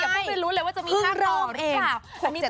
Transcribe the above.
อย่าพูดไปรู้เลยว่าจะมี๕ตอนหรือเปล่า